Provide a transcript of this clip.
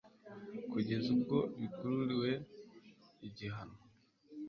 kugeza ubwo bikururiye igihano